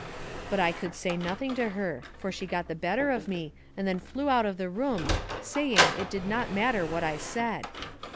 But I could say nothing to her, for she got the better of me, and then flew out of the room, saying, it did not matter what I said."